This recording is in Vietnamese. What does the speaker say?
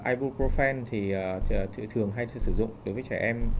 ibuprofen thì thường hay sử dụng đối với trẻ em